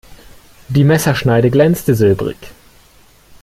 Die Messerschneide glänzte silbrig.